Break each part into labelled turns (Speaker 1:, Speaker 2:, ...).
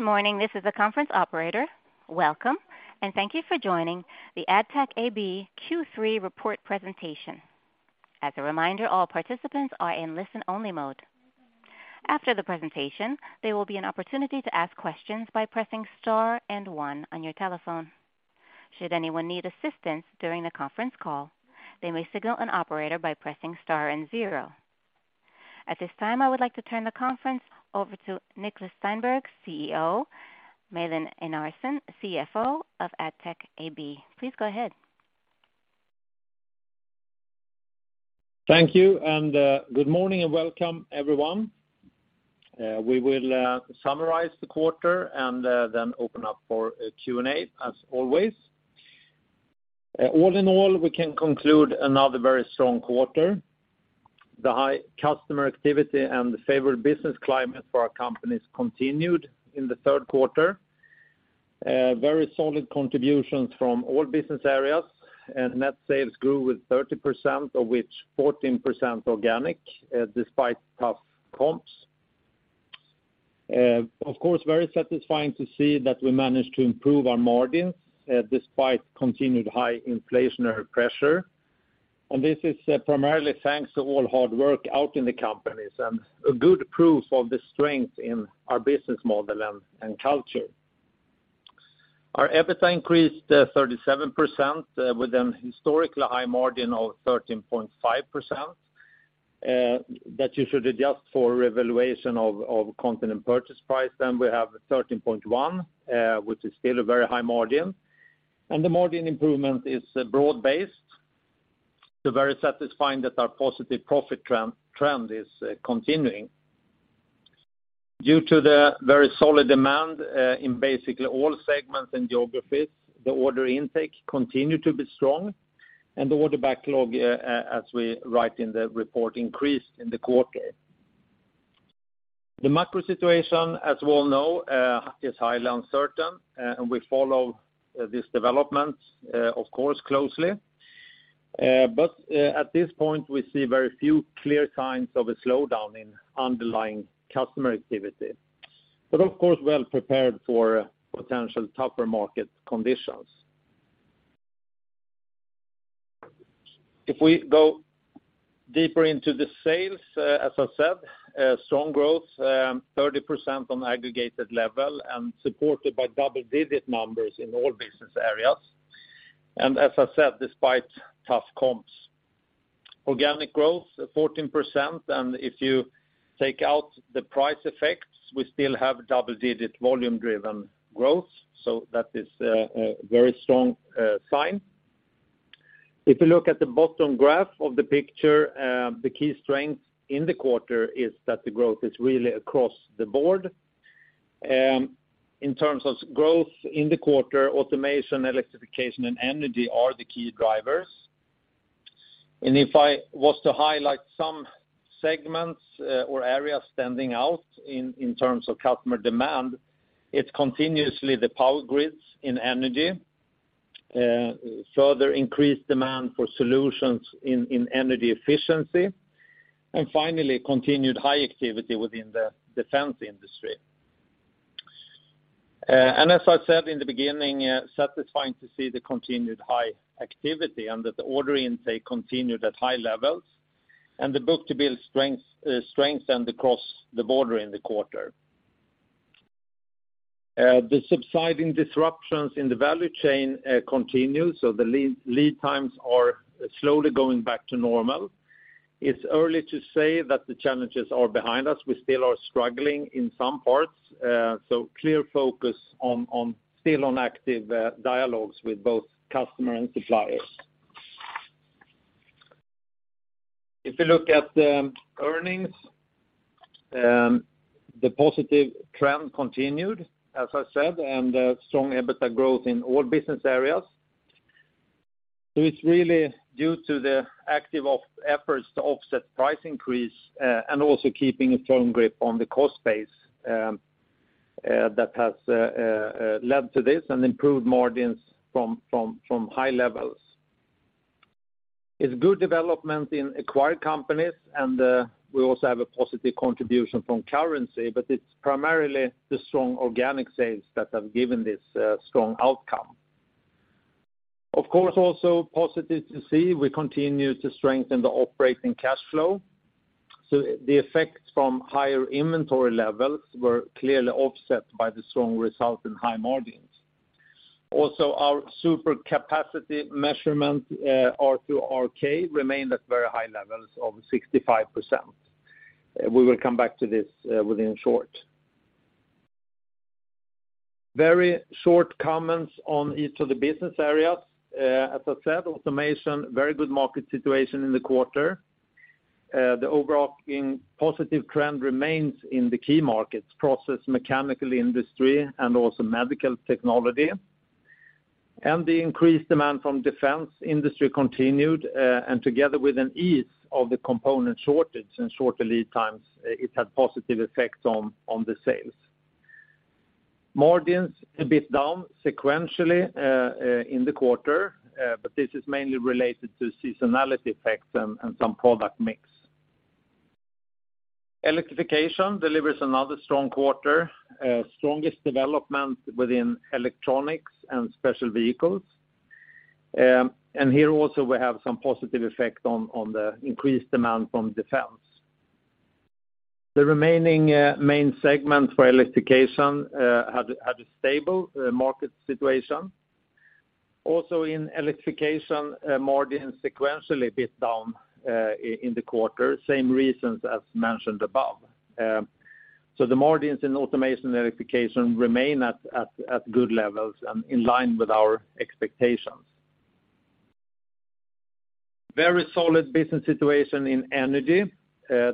Speaker 1: Good morning, this is the conference operator. Welcome, and thank you for joining the Addtech AB Q3 report presentation. As a reminder, all participants are in listen-only mode. After the presentation, there will be an opportunity to ask questions by pressing star and one on your telephone. Should anyone need assistance during the conference call, they may signal an operator by pressing star and zero. At this time, I would like to turn the conference over to Niklas Stenberg, CEO, Malin Enarson, CFO of Addtech AB. Please go ahead.
Speaker 2: Thank you, good morning and welcome, everyone. We will summarize the quarter and then open up for a Q&A as always. All in all, we can conclude another very strong quarter. The high customer activity and the favored business climate for our companies continued in the third quarter. Very solid contributions from all business areas, net sales grew with 30%, of which 14% organic, despite tough comps. Of course, very satisfying to see that we managed to improve our margins, despite continued high inflationary pressure. This is primarily thanks to all hard work out in the companies, and a good proof of the strength in our business model and culture. Our EBITDA increased 37% with an historically high margin of 13.5% that you should adjust for revaluation of content and purchase price. We have 13.1%, which is still a very high margin. The margin improvement is broad-based. Very satisfying that our positive profit trend is continuing. Due to the very solid demand in basically all segments and geographies, the order intake continued to be strong, and the order backlog, as we write in the report, increased in the quarter. The macro situation, as we all know, is highly uncertain, and we follow this development, of course, closely. At this point, we see very few clear signs of a slowdown in underlying customer activity. Of course, well prepared for potential tougher market conditions. If we go deeper into the sales, as I said, strong growth, 30% on aggregated level, and supported by double-digit numbers in all business areas. As I said, despite tough comps. Organic growth, 14%, and if you take out the price effects, we still have double-digit volume-driven growth, so that is a very strong sign. If you look at the bottom graph of the picture, the key strength in the quarter is that the growth is really across the board. In terms of growth in the quarter, automation, electrification, and energy are the key drivers. If I was to highlight some segments or areas standing out in terms of customer demand, it's continuously the power grids in energy, further increased demand for solutions in energy efficiency, and finally, continued high activity within the defense industry. As I said in the beginning, satisfying to see the continued high activity, and that the order intake continued at high levels, and the book-to-bill strengths strengthened across the border in the quarter. The subsiding disruptions in the value chain continue, so the lead times are slowly going back to normal. It's early to say that the challenges are behind us. We still are struggling in some parts, so clear focus still on active dialogues with both customer and suppliers. If you look at the earnings, the positive trend continued, as I said, and strong EBITDA growth in all business areas. It's really due to the active efforts to offset price increase, and also keeping a firm grip on the cost base, that has led to this, and improved margins from high levels. It's good development in acquired companies, and we also have a positive contribution from currency, but it's primarily the strong organic sales that have given this strong outcome. Also positive to see we continue to strengthen the operating cash flow. The effects from higher inventory levels were clearly offset by the strong result in high margins. Our super capacity measurement, R2RK, remained at very high levels of 65%. We will come back to this within short. Very short comments on each of the business areas. As I said, automation, very good market situation in the quarter. The overall positive trend remains in the key markets, process, mechanical industry, and also medical technology. The increased demand from defense industry continued, and together with an ease of the component shortage and shorter lead times, it had positive effects on the sales. Margins a bit down sequentially in the quarter, but this is mainly related to seasonality effects and some product mix. Electrification delivers another strong quarter, strongest development within electronics and special vehicles. Here also we have some positive effect on the increased demand from defense. The remaining main segment for electrification had a stable market situation. Also in electrification, margin sequentially a bit down in the quarter, same reasons as mentioned above. The margins in automation and electrification remain at good levels and in line with our expectations. Very solid business situation in energy.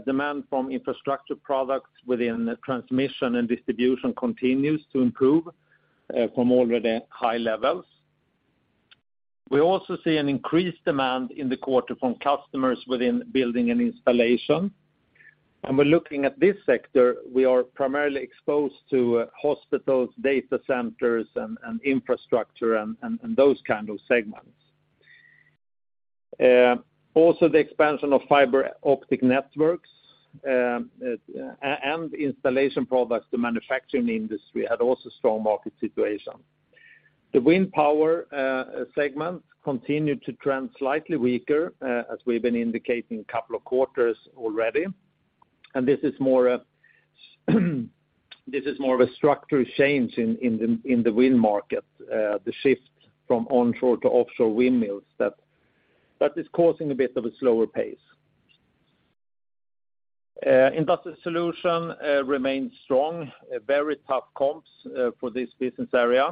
Speaker 2: Demand from infrastructure products within transmission and distribution continues to improve from already high levels. We also see an increased demand in the quarter from customers within building and installation. When we're looking at this sector, we are primarily exposed to hospitals, data centers, and infrastructure and those kind of segments. Also the expansion of fiber optic networks and installation products, the manufacturing industry had also strong market situation. The wind power segment continued to trend slightly weaker as we've been indicating couple of quarters already. And this is more of a structural change in, in the, in the wind market, uh, the shift from onshore to offshore windmills that, that is causing a bit of a slower pace. Uh, industrial solution, uh, remains strong, a very tough comps, uh, for this business area.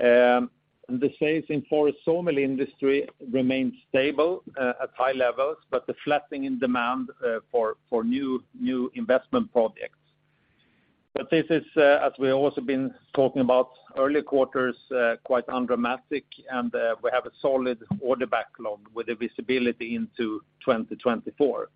Speaker 2: Um, and the sales in forest and sawmill industry remained stable, uh, at high levels, but the flattening in demand, uh, for, for new, new investment projects. But this is, uh, as we have also been talking about earlier quarters, uh, quite undramatic, and, uh, we have a solid order backlog with a visibility into 2024.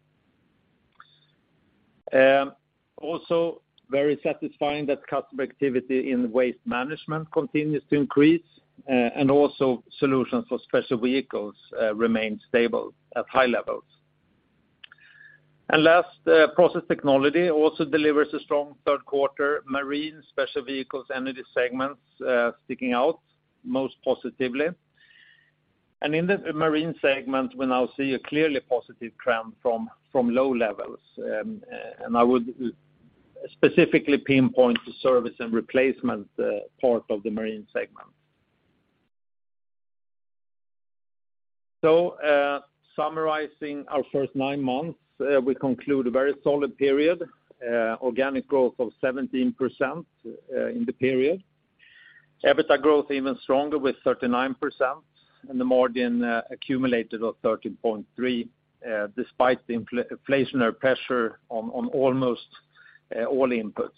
Speaker 2: Um, also very satisfying that customer activity in waste management continues to increase, uh, and also solutions for special vehicles, uh, remain stable at high levels. Last, process technology also delivers a strong third quarter, marine, special vehicles, energy segments, sticking out most positively. In the marine segment, we now see a clearly positive trend from low levels. I would specifically pinpoint the service and replacement part of the marine segment. Summarizing our first nine months, we conclude a very solid period, organic growth of 17% in the period. EBITDA growth even stronger with 39%, and the margin, accumulated of 13.3%, despite the inflationary pressure on almost all inputs.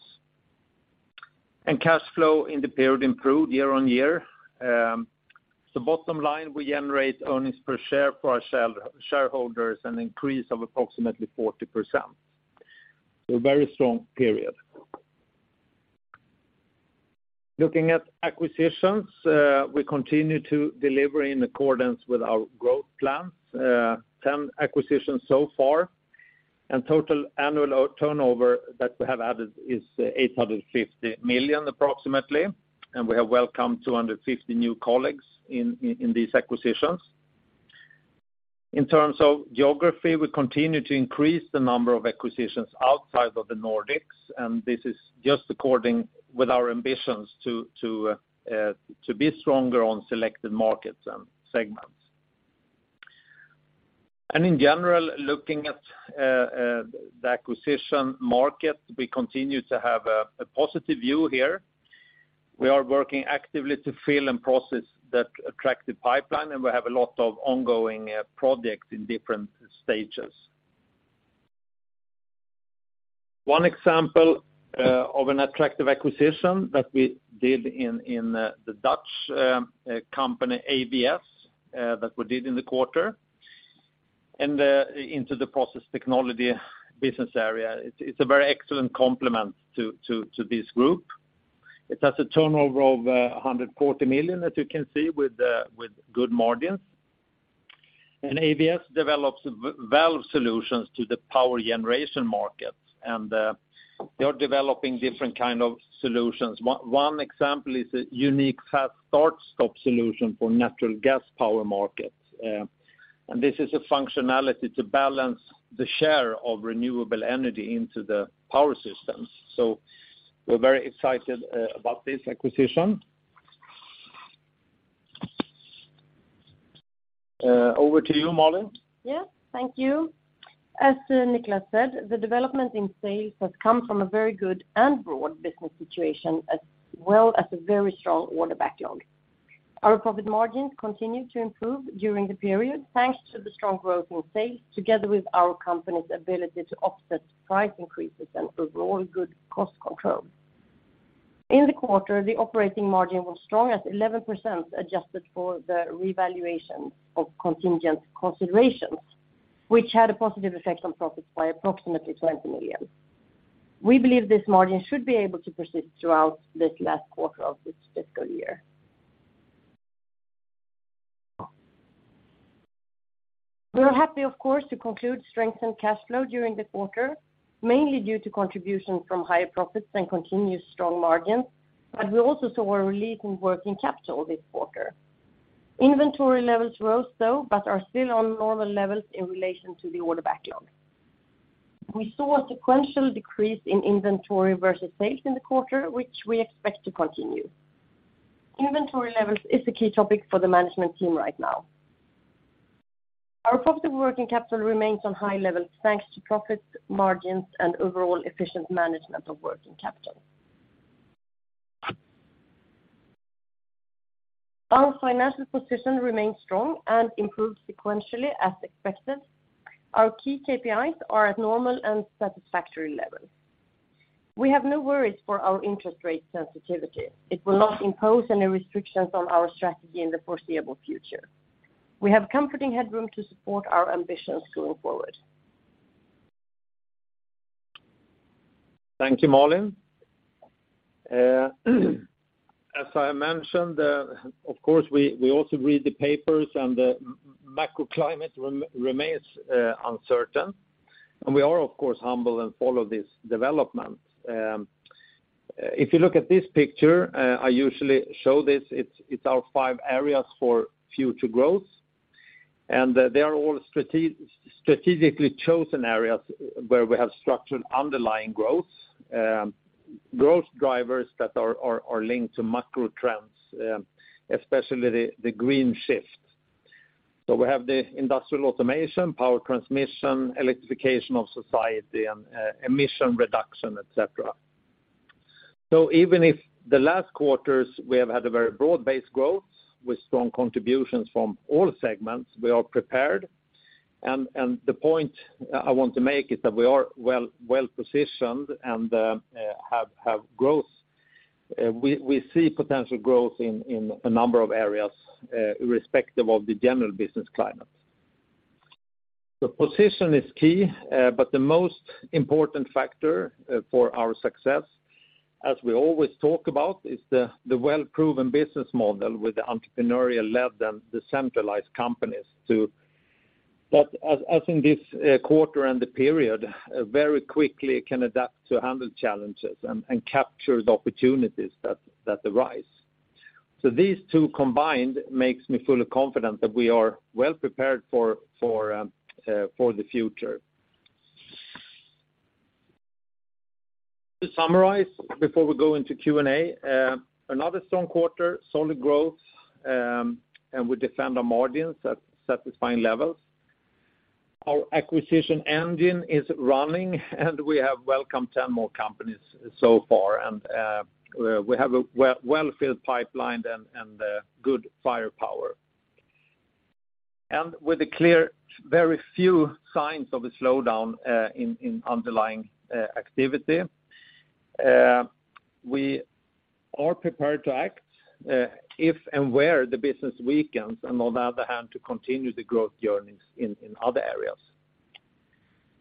Speaker 2: Cash flow in the period improved year-on-year. Bottom line, we generate earnings per share for our shareholders an increase of approximately 40%. A very strong period. Looking at acquisitions, we continue to deliver in accordance with our growth plans, 10 acquisitions so far. Total annual turnover that we have added is 850 million approximately, and we have welcomed 250 new colleagues in these acquisitions. In terms of geography, we continue to increase the number of acquisitions outside of the Nordics, and this is just according with our ambitions to be stronger on selected markets and segments. In general, looking at the acquisition market, we continue to have a positive view here. We are working actively to fill and process that attractive pipeline, and we have a lot of ongoing projects in different stages. One example of an attractive acquisition that we did in the Dutch company ABS that we did in the quarter, into the process technology business area. It's a very excellent complement to this group. It has a turnover of 140 million, as you can see, with good margins. ABS develops valve solutions to the power generation markets, and they are developing different kind of solutions. One example is a unique fast start/stop solution for natural gas power markets. This is a functionality to balance the share of renewable energy into the power systems. We're very excited about this acquisition. Over to you, Malin.
Speaker 3: Yeah. Thank you. As Niklas said, the development in sales has come from a very good and broad business situation, as well as a very strong order backlog. Our profit margins continued to improve during the period, thanks to the strong growth in sales, together with our company's ability to offset price increases and overall good cost control. In the quarter, the operating margin was strong at 11%, adjusted for the revaluation of contingent considerations, which had a positive effect on profits by approximately 20 million. We believe this margin should be able to persist throughout this last quarter of this fiscal year. We are happy, of course, to conclude strengthened cash flow during the quarter, mainly due to contribution from higher profits and continuous strong margins. We also saw a relief in working capital this quarter. Inventory levels rose though, but are still on normal levels in relation to the order backlog. We saw a sequential decrease in inventory versus sales in the quarter, which we expect to continue. Inventory levels is a key topic for the management team right now. Our positive working capital remains on high levels, thanks to profits, margins, and overall efficient management of working capital. Our financial position remains strong and improved sequentially as expected. Our key KPIs are at normal and satisfactory levels. We have no worries for our interest rate sensitivity. It will not impose any restrictions on our strategy in the foreseeable future. We have comforting headroom to support our ambitions going forward.
Speaker 2: Thank you, Malin. As I mentioned, of course, we also read the papers, and the macroclimate remains uncertain, and we are of course humble and follow this development. If you look at this picture, I usually show this, it's our five areas for future growth. They are all strategically chosen areas where we have structured underlying growth drivers that are linked to macro trends, especially the green shift. We have the industrial automation, power transmission, electrification of society, and emission reduction, et cetera. Even if the last quarters we have had a very broad-based growth with strong contributions from all segments, we are prepared, and the point I want to make is that we are well-positioned and have growth. We see potential growth in a number of areas, irrespective of the general business climate. The position is key, but the most important factor for our success, as we always talk about, is the well-proven business model with the entrepreneurial-led and decentralized companies. As in this quarter and the period, very quickly can adapt to handle challenges and capture the opportunities that arise. These two combined makes me full of confident that we are well-prepared for the future. To summarize, before we go into Q&A, another strong quarter, solid growth, and we defend our margins at satisfying levels. Our acquisition engine is running, and we have welcomed 10 more companies so far, and we have a well-filled pipeline and good firepower. With a clear, very few signs of a slowdown in underlying activity, we are prepared to act if and where the business weakens, and on the other hand, to continue the growth journeys in other areas.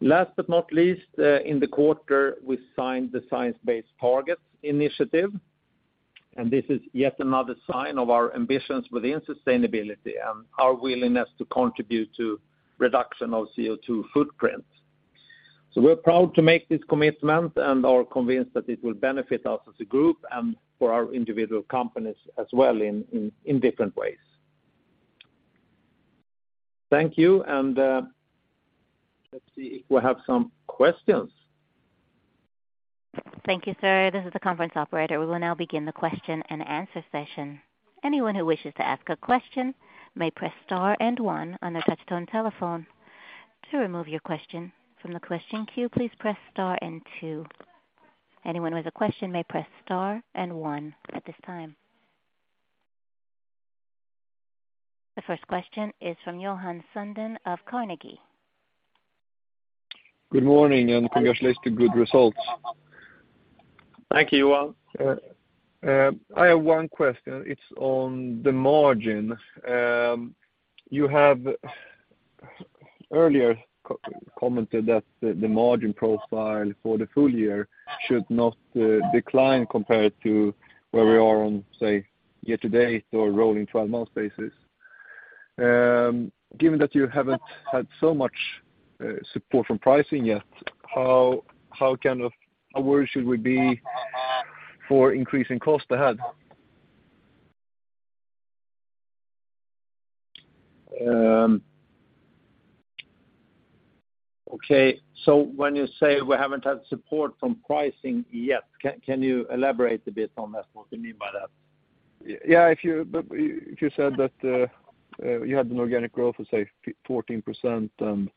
Speaker 2: Last but not least, in the quarter, we signed the Science-Based Targets initiative, and this is yet another sign of our ambitions within sustainability and our willingness to contribute to reduction of CO2 footprints. We're proud to make this commitment and are convinced that it will benefit us as a group and for our individual companies as well in different ways. Thank you, and let's see if we have some questions.
Speaker 1: Thank you, sir. This is the conference operator. We will now begin the question-and-answer session. Anyone who wishes to ask a question may press star and one on their touchtone telephone. To remove your question from the question queue, please press star and two. Anyone with a question may press star and one at this time. The first question is from Johan Sundén of Carnegie.
Speaker 4: Good morning, and congratulations to good results.
Speaker 2: Thank you, Johan.
Speaker 4: I have one question. It's on the margin. You have earlier co-commented that the margin profile for the full-year should not decline compared to where we are on, say, year-to-date or rolling 12 month basis. Given that you haven't had so much support from pricing yet, how kind of aware should we be for increasing cost ahead?
Speaker 2: Okay. When you say we haven't had support from pricing yet, can you elaborate a bit on that, what you mean by that?
Speaker 4: Yeah. If you said that, you had an organic growth of, say, 14% and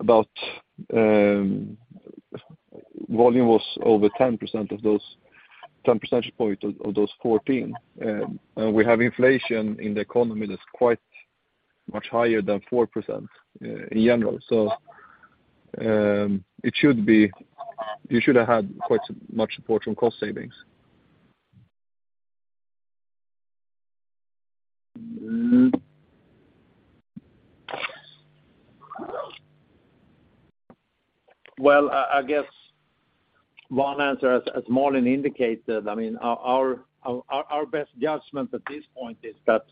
Speaker 4: about volume was over 10% of those, 10 percentage point of those 14, and we have inflation in the economy that's quite much higher than 4%, in general. You should have had quite much support from cost savings.
Speaker 2: Well, I guess one answer as Malin indicated, I mean, our best judgment at this point is that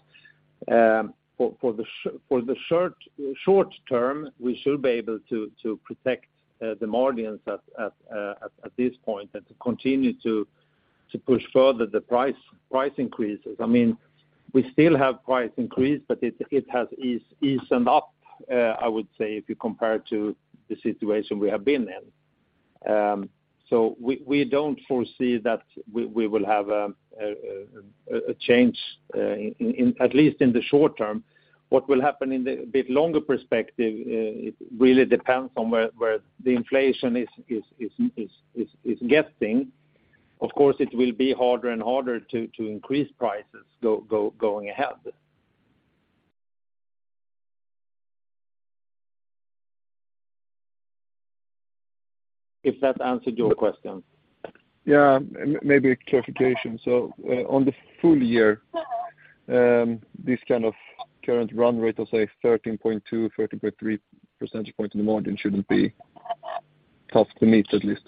Speaker 2: for the short term, we should be able to protect the margins at this point and to continue to push further the price increases. I mean, we still have price increase, but it has eased up, I would say, if you compare to the situation we have been in. So we don't foresee that we will have a change in at least in the short term. What will happen in the bit longer perspective, it really depends on where the inflation is getting. Of course, it will be harder and harder to increase prices going ahead. If that answered your question.
Speaker 4: Yeah. Maybe a clarification. On the full-year, this kind of current run rate of, say, 13.2, 13.3 percentage point in the margin shouldn't be tough to meet, at least.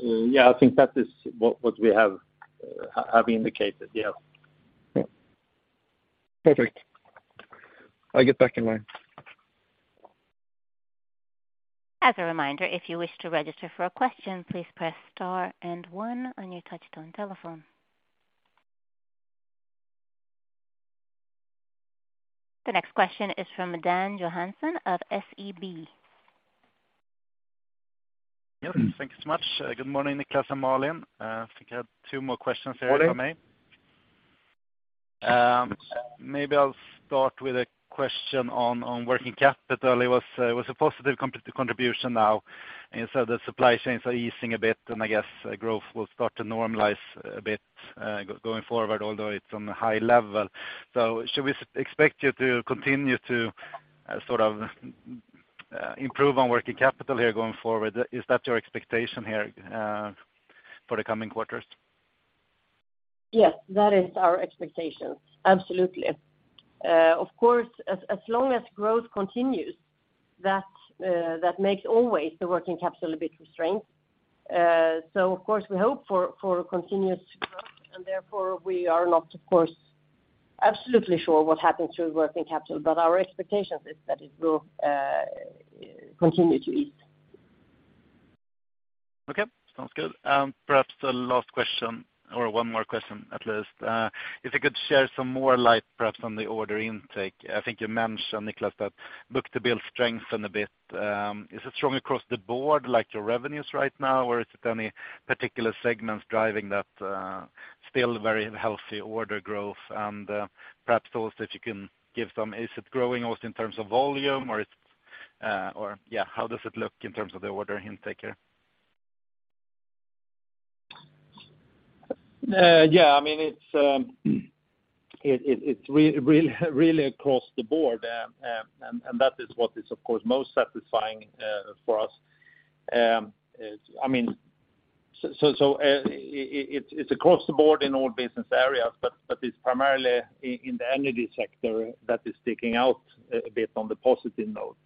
Speaker 2: Yeah, I think that is what we have indicated. Yeah.
Speaker 4: Yeah. Perfect. I'll get back in line.
Speaker 1: As a reminder, if you wish to register for a question, please press star and one on your touch-tone telephone. The next question is from Dan Johansson of SEB.
Speaker 5: Yes. Thank you so much. Good morning, Niklas and Malin. I think I have two more questions here, if I may.
Speaker 2: Morning.
Speaker 5: Maybe I'll start with a question on working capital. It was a positive contribution now. The supply chains are easing a bit, and I guess, growth will start to normalize a bit, going forward, although it's on a high level. Should we expect you to continue to sort of, improve on working capital here going forward? Is that your expectation here, for the coming quarters?
Speaker 3: Yes, that is our expectations. Absolutely. Of course, as long as growth continues, that makes always the working capital a bit constrained. Of course, we hope for a continuous growth, therefore we are not, of course, absolutely sure what happens to working capital, but our expectations is that it will continue to ease.
Speaker 5: Okay. Sounds good. Perhaps the last question, or one more question at least. If you could share some more light, perhaps on the order intake. I think you mentioned, Niklas, that book-to-bill strengthened a bit. Is it strong across the board, like your revenues right now, or is it any particular segments driving that, still very healthy order growth? Perhaps also if you can give some, Is it growing also in terms of volume or it's, or yeah, how does it look in terms of the order intake here?
Speaker 2: Yeah, I mean, it's really across the board. That is what is of course most satisfying for us. I mean, it's across the board in all business areas, but it's primarily in the energy sector that is sticking out a bit on the positive note.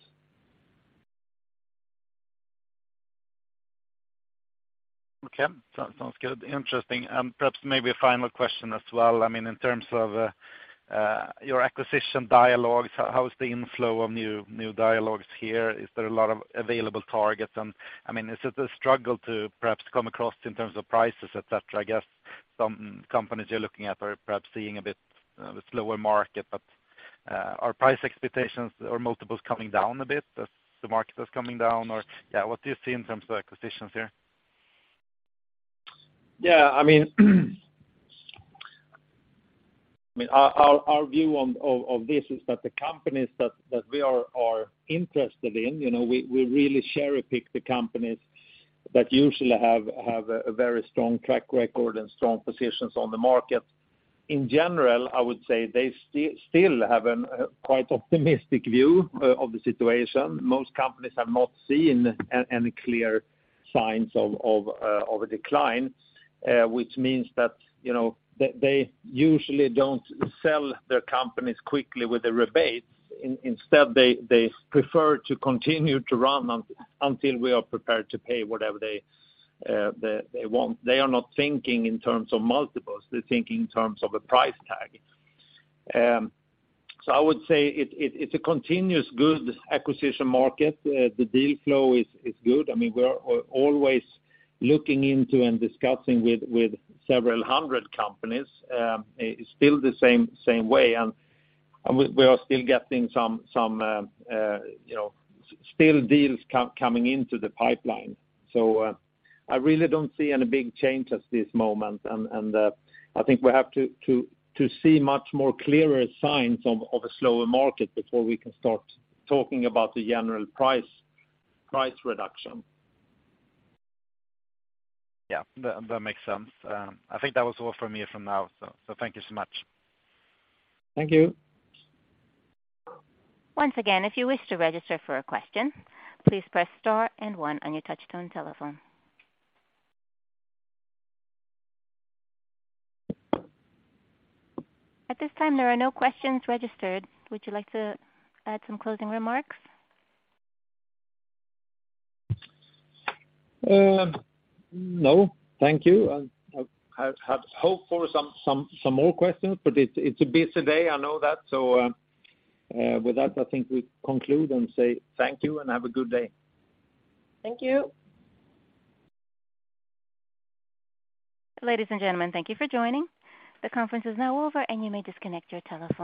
Speaker 5: Okay. Sounds good. Interesting. Perhaps maybe a final question as well. I mean, in terms of your acquisition dialogues, how is the inflow of new dialogues here? Is there a lot of available targets? I mean, is it a struggle to perhaps come across in terms of prices, et cetera? I guess some companies you're looking at are perhaps seeing a bit of a slower market, but are price expectations or multiples coming down a bit as the market is coming down? Yeah, what do you see in terms of acquisitions here?
Speaker 2: I mean, our view on of this is that the companies that we are interested in, you know, we really cherry-pick the companies that usually have a very strong track record and strong positions on the market. In general, I would say they still have an quite optimistic view of the situation. Most companies have not seen any clear signs of of a decline, which means that, you know, they usually don't sell their companies quickly with a rebate. Instead they prefer to continue to run until we are prepared to pay whatever they want. They are not thinking in terms of multiples. They're thinking in terms of a price tag. I would say it's a continuous good acquisition market. The deal flow is good. I mean, we're always looking into and discussing with several hundred companies, still the same way. We are still getting some, you know, still deals coming into the pipeline. I really don't see any big changes this moment. I think we have to see much more clearer signs of a slower market before we can start talking about the general price reduction.
Speaker 5: Yeah. That makes sense. I think that was all from me from now, so thank you so much.
Speaker 2: Thank you.
Speaker 1: Once again, if you wish to register for a question, please press star and one on your touchtone telephone. At this time, there are no questions registered. Would you like to add some closing remarks?
Speaker 2: No. Thank you. I had hoped for some more questions, but it's a busy day, I know that. With that, I think we conclude and say thank you and have a good day.
Speaker 3: Thank you.
Speaker 1: Ladies and gentlemen, thank you for joining. The conference is now over and you may disconnect your telephone.